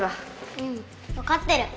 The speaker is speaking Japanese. うんわかってる。